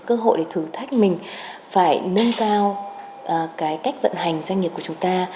cơ hội để thử thách mình phải nâng cao cái cách vận hành doanh nghiệp của chúng ta